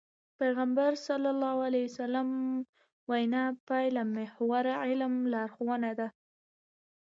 پيغمبر ص وينا پايلهمحور عمل لارښوونه ده.